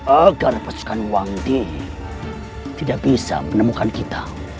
agar pasukan wangge tidak bisa menemukan kita